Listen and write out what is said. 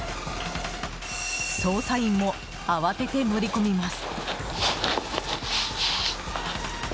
捜査員も慌てて乗り込みます。